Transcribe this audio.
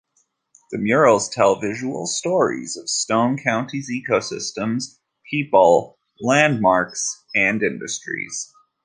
The murals tell visual stories of Stone County's ecosystems, people, landmarks, and industries.